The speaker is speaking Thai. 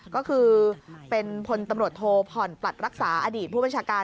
ก็คือเป็นพลตำรวจโทผ่อนปลัดรักษาอดีตผู้บัญชาการ